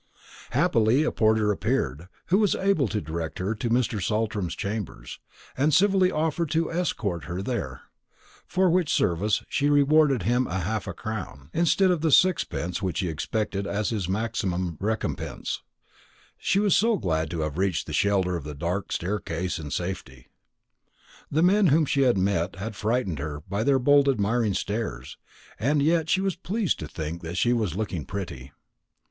Happily a porter appeared, who was able to direct her to Mr. Saltram's chambers, and civilly offered to escort her there; for which service she rewarded him with half a crown, instead of the sixpence which he expected as his maximum recompense; she was so glad to have reached the shelter of the dark staircase in safety. The men whom she had met had frightened her by their bold admiring stares; and yet she was pleased to think that she was looking pretty.